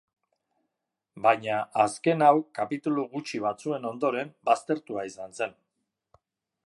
Baina, azken hau kapitulu gutxi batzuen ondoren, baztertua izan zen.